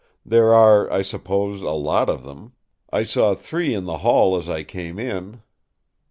There are, I suppose, a lot of them. I saw three in the hall as I came in."